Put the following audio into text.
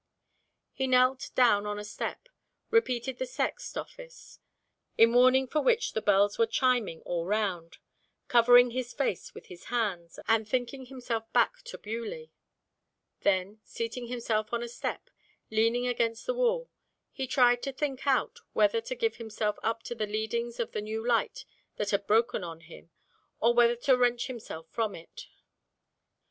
He knelt down on a step, repeated the sext office, in warning for which the bells were chiming all round, covering his face with his hands, and thinking himself back to Beaulieu; then, seating himself on a step, leaning against the wall, he tried to think out whether to give himself up to the leadings of the new light that had broken on him, or whether to wrench himself from it.